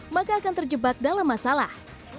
maka akan terjebak dalam masalah